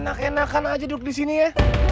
enak enakan aja duduk disini ya